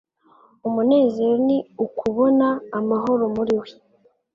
umunezero ni ukubona amahoro muriwe.